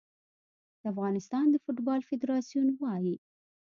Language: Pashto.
د افغانستان د فوټبال فدراسیون وايي